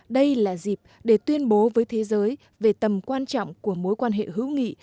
đây là dịp để tuyên bố với thế giới về tầm quan trọng của mối quan hệ hữu nghị